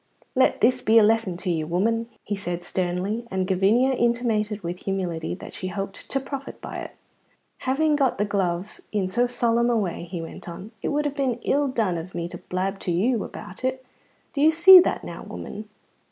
"Let this be a lesson to you, woman," he said sternly; and Gavinia intimated with humility that she hoped to profit by it. "Having got the glove in so solemn a way," he went on, "it would have been ill done of me to blab to you about it. Do you see that now, woman?"